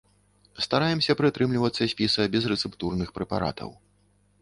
Стараемся прытрымлівацца спіса безрэцэптурных прэпаратаў.